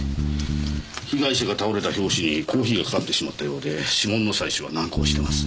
被害者が倒れた拍子にコーヒーがかかってしまったようで指紋の採取は難航しています。